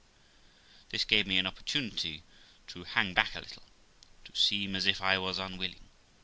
This gave me an opportunity to hang back a little, and to seem as if I was unwilling.